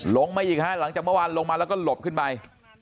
ลงมาอีกฮะหลังจากเมื่อวานลงมาแล้วก็หลบขึ้นไป